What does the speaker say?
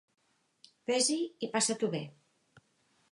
Vés-hi i passa-t'ho bé.